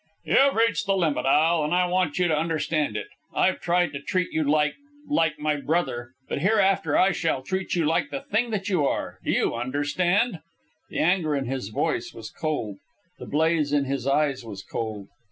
"You've reached the limit, Al, and I want you to understand it. I've tried to treat you like... like my brother, but hereafter I shall treat you like the thing that you are. Do you understand?" The anger in his voice was cold. The blaze in his eyes was cold.